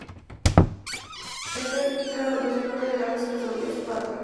El rey Ícaro los llenó de regalos y los devolvió a su patria.